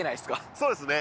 そうですね